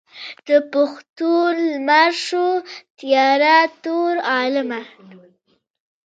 د پښتون لمر شو تیاره تور عالمه.